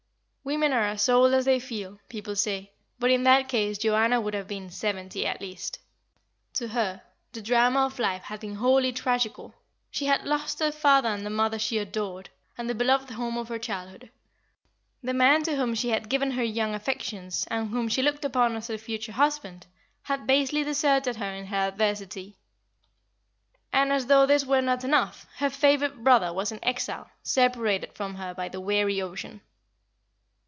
Women are as old as they feel, people say, but in that case Joanna would have been seventy at least. To her the drama of life had been wholly tragical. She had lost her father and the mother she adored, and the beloved home of her childhood. The man to whom she had given her young affections and whom she looked upon as her future husband, had basely deserted her in her adversity; and, as though this were not enough, her favourite brother was in exile, separated from her by the weary ocean.